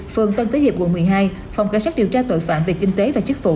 phường tân tế hiệp quận một mươi hai phòng cảnh sát điều tra tội phạm về kinh tế và chức vụ